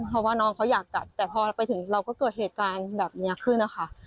เพราะว่าน้องเขาอยากกลับแต่พอเราไปถึงเราก็เกิดเหตุการณ์แบบนี้ขึ้นนะคะ